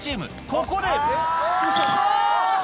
ここで。